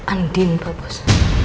anu dini pak bos